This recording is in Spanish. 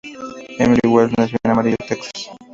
Emily Wells nació en Amarillo, Texas.